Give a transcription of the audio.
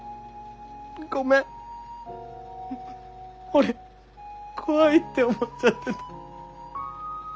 俺怖いって思っちゃってた。